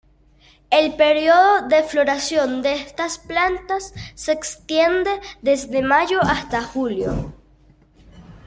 El período de floración de estas plantas se extiende desde mayo hasta julio.